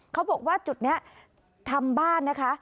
เขาบอกว่าจุดนี้ทำบ้านนะคะ